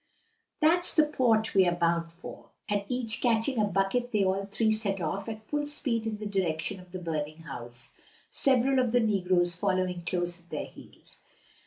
"That's the port we are bound for." And each catching up a bucket they all three set off at full speed in the direction of the burning house, several of the negroes following close at their heels.